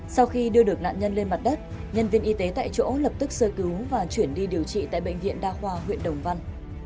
sau khi đưa được nạn nhân lên mặt đất nhân viên y tế tại chỗ lập tức sơ cứu và chuyển đi điều trị tại bệnh viện đa khoa huyện đồng văn